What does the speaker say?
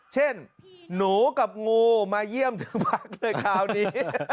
เช่นหนูกับงูมาเยี่ยมทั้งพรรคคลอานี้